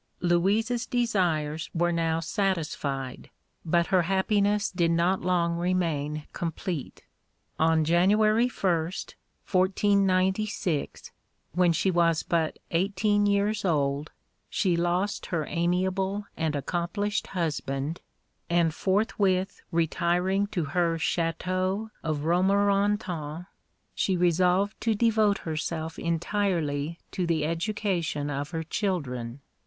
Louise's desires were now satisfied, but her happiness did not long remain complete. On January 1st, 1496, when she was but eighteen years old, she lost her amiable and accomplished husband, and forthwith retiring to her Château of Romorantin, she resolved to devote herself entirely to the education of her children.